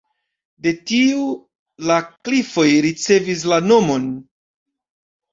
De tiu la klifoj ricevis la nomon.